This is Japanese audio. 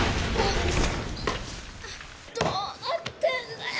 どうなってんだよ。